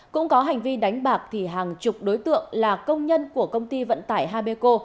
cũng có hành vi đánh bạc thì hàng chục đối tượng là công nhân của công ty vận tải habeco